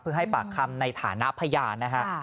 เพื่อให้ปากคำในฐานะพยานนะฮะ